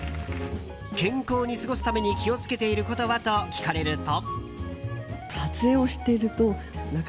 健康に過ごすために気を付けていることは？と聞かれると。